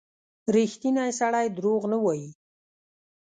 • ریښتینی سړی دروغ نه وايي.